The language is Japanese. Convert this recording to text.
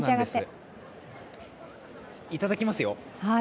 いただきますよ。